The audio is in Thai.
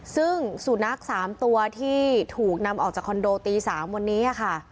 ซึ่งสุนัข๓ตัวที่ถูกนำออกจากคอนโดตี๓วันนี้ค่ะ